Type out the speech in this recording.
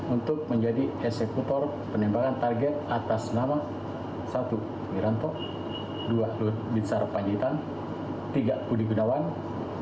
untuk menjadi eksekutor penembangan target atas nama satu wiranto dua lodisar panjitan tiga udi gunawan empat berisme